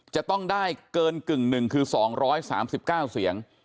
จะต้องได้เกินกึ่งหนึ่งคือ๒๓๙เสียง